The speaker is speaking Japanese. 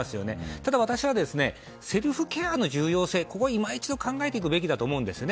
ただ私はセルフケアの重要性を今一度考えるべきだと思うんですよね。